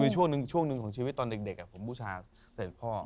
ช่วงหนึ่งของชีวิตตอนเด็กผมบุชาเศรษฐ์พ่อ